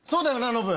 ノブ。